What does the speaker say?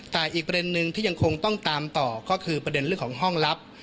แต่อีกประเด็นนึงที่ยังคงต้องตามต่อก็คือประเด็นเรื่องของห้องลับ